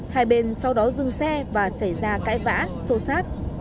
hai bên sau đó dưng xe và xảy ra cãi vã sô sát